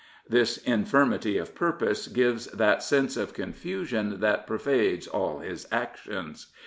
This infirmity of purpose gives that sense of con fusion that pervades all his actions.